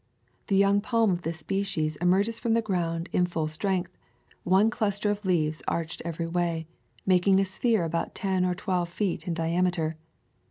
The young palm of this species emerges from the ground in full strength, one cluster of leaves arched every way, making a sphere about ten or twelve feet in diameter.